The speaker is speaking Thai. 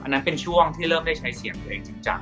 นั้นเป็นช่วงที่เริ่มได้ใช้เสียงตัวเองจริงจัง